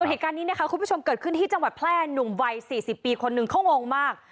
เหตุการณ์นี้นะคะคุณผู้ชมเกิดขึ้นที่จังหวัดแพร่หนุ่มวัย๔๐ปีคนหนึ่งเขางงมาก